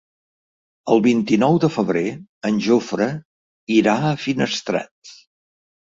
El vint-i-nou de febrer en Jofre irà a Finestrat.